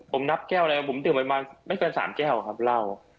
ผมนับแก้วอะไรผมดื่มประมาณไม่เกินสามแก้วครับเรา